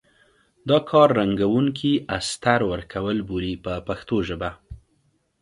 دا کار رنګوونکي استر ورکول بولي په پښتو ژبه.